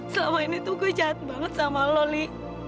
selama ini aku sangat jahat dengan kamu li